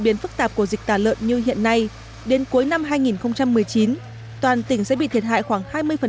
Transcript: biến phức tạp của dịch tả lợn như hiện nay đến cuối năm hai nghìn một mươi chín toàn tỉnh sẽ bị thiệt hại khoảng hai mươi